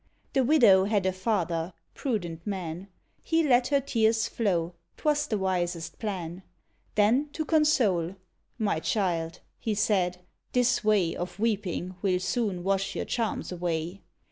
The Widow had a father prudent man! He let her tears flow; 'twas the wisest plan. Then to console, "My child," he said, "this way Of weeping will soon wash your charms away.